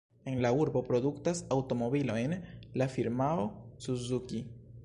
En la urbo produktas aŭtomobilojn la firmao Suzuki.